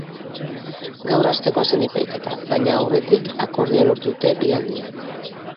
Gaur hastekoa zen epaiketa, baina aurretik akordioa lortu dute bi aldeek.